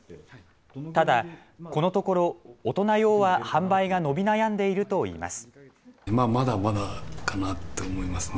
ただこのところ、大人用は販売が伸び悩んでいるといいます。